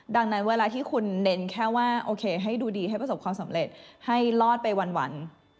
ดังนั้นเวลาที่คุณเน้นแค่ว่าโอเคให้ดูดีให้ประสบความสำเร็จให้รอดไปวัน